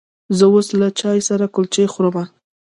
زه اوس له چای سره کلچې خورمه.